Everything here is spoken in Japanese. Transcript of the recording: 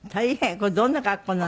これどんな格好なの？